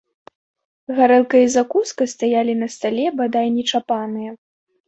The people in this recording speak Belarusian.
Гарэлка і закуска стаялі на стале бадай нечапаныя.